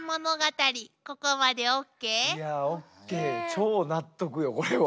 超納得よこれは。